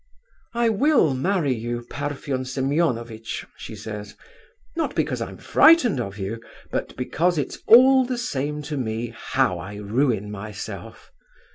'I will marry you, Parfen Semeonovitch,' she says, not because I'm frightened of you, but because it's all the same to me how I ruin myself.